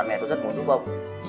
bạn mẹ tôi rất muốn giúp ông